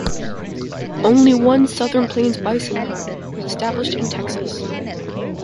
Only one Southern Plains bison herd was established in Texas.